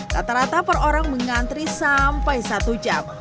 rata rata per orang mengantri sampai satu jam